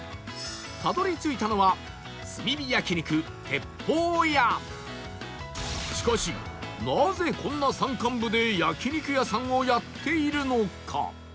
たどり着いたのはしかしなぜこんな山間部で焼肉屋さんをやっているのか？